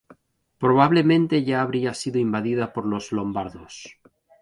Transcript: Probablemente ya habría sido invadida por los lombardos.